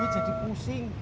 gue jadi pusing